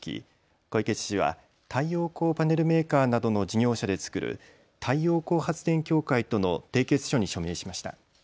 小池知事は太陽光パネルメーカーなどの事業者で作る太陽光発電協会との締結書に署名しました。